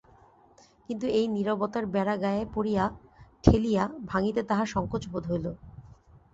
কিন্তু এই নীরবতার বেড়া গায়ে পড়িয়া ঠেলিয়া ভাঙিতে তাহার সংকোচ বোধ হইল।